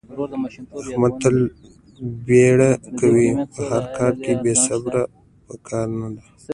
احمد تل بیړه کوي. په هر کار کې بې صبرې په کار نه ده.